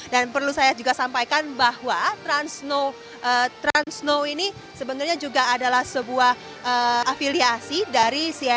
dan perlu saya juga sampaikan bahwa transnow ini sebenarnya juga adalah sebuah afiliasi dari cis